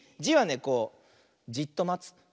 「じ」はねこうじっとまつ。